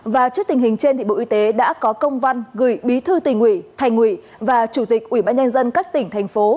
và trước tình hình trên bộ y tế đã có công văn gửi bí thư tỉnh ủy thành ủy và chủ tịch ủy ban nhân dân các tỉnh thành phố